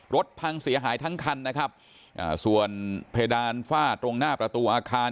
รถพังเสียหายทั้งคันนะครับอ่าส่วนเพดานฟาดตรงหน้าประตูอาคาร